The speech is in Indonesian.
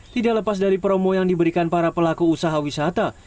tidak lepas dari promo yang diberikan para pelaku usaha wisata